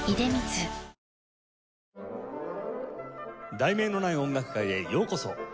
『題名のない音楽会』へようこそ。